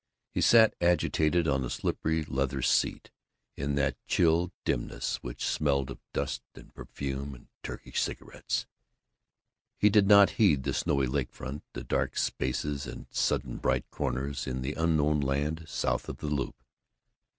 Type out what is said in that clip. He sat agitated on the slippery leather seat, in that chill dimness which smelled of dust and perfume and Turkish cigarettes. He did not heed the snowy lake front, the dark spaces and sudden bright corners in the unknown land south of the Loop.